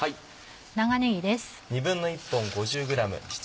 長ねぎです。